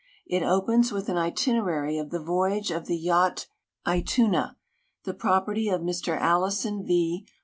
It opens with an itinerary of tlie voyage of the yaclit /Omu (tlie property of i\Ir Allison A'.